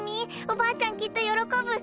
おばあちゃんきっと喜ぶ。